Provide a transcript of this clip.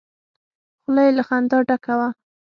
خوله يې له خندا ډکه وه.